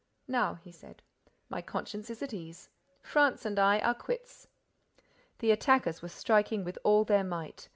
"Now," he said, "my conscience is at ease. France and I are quits." The attackers were striking with all their might.